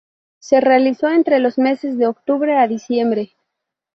Se realizó entre los meses de octubre a diciembre.